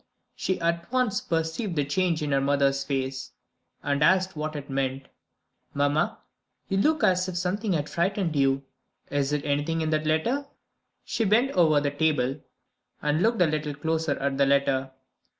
She at once perceived the change in her mother's face and asked what it meant. "Mamma, you look as if something had frightened you. Is it anything in that letter?" She bent over the table, and looked a little closer at the letter.